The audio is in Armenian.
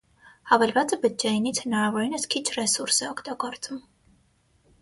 Հավելվածը բջջայինից հնարավորինս քիչ ռեսուրս է օգտագործում։